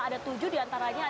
semua tudingan bahwa ia ikut